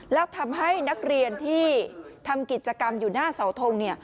แล้วทำให้นักเรียนที่ทำกิจกรรมอยู่หน้าเสาทง